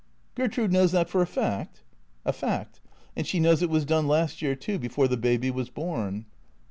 " Gertrude knows that for a fact ?"" A fact. And she knows it was done last year too, before the baby was born."